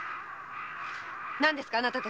何ですかあなたたちは！